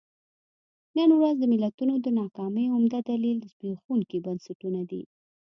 نن ورځ د ملتونو د ناکامۍ عمده دلیل زبېښونکي بنسټونه دي.